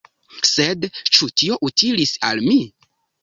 Sed ĉu tio utilis al mi?